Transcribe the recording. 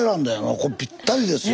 ここぴったりですよ。